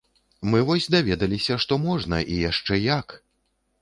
Мы вось даведаліся, што можна і яшчэ як!